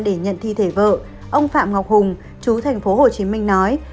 để nhận thi thể vợ ông phạm ngọc hùng chú thành phố hồ chí minh nói